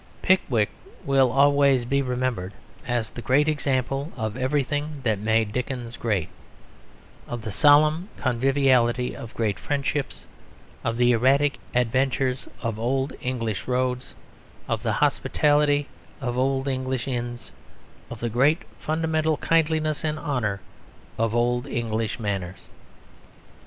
Pickwick will always be remembered as the great example of everything that made Dickens great; of the solemn conviviality of great friendships, of the erratic adventures of old English roads, of the hospitality of old English inns, of the great fundamental kindliness and honour of old English manners.